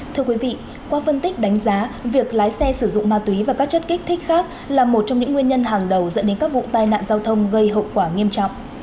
thưa quý vị qua phân tích đánh giá việc lái xe sử dụng ma túy và các chất kích thích khác là một trong những nguyên nhân hàng đầu dẫn đến các vụ tai nạn giao thông gây hậu quả nghiêm trọng